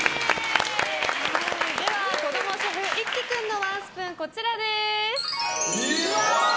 子供シェフ、一輝君のワンスプーンはこちらです。